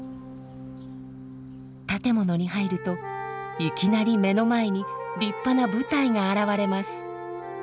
建物に入るといきなり目の前に立派な舞台が現れます。